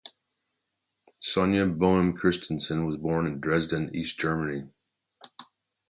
Sonja Boehmer-Christiansen was born in Dresden, East Germany.